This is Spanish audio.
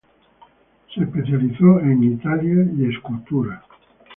Se especializó en talla y escultura.